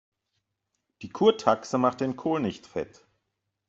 Die Kurtaxe macht den Kohl nicht fett.